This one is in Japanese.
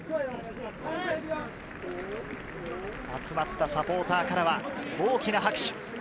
集まったサポーターからは大きな拍手。